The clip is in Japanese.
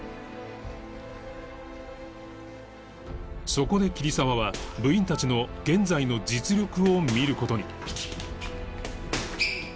そこで桐沢は部員たちの現在の実力を見る事に